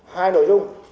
hai nội dung